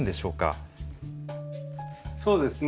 そうですね。